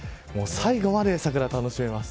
最後まで桜を楽しめます。